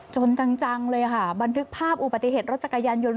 จนจังเลยค่ะบันทึกภาพอุบัติเหตุรถจักรยานยนต์